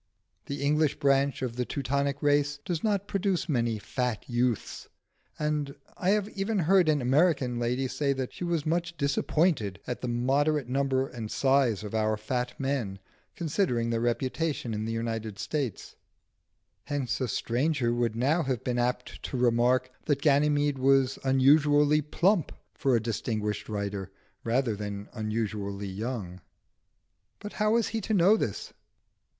The English branch of the Teutonic race does not produce many fat youths, and I have even heard an American lady say that she was much "disappointed" at the moderate number and size of our fat men, considering their reputation in the United States; hence a stranger would now have been apt to remark that Ganymede was unusually plump for a distinguished writer, rather than unusually young. But how was he to know this?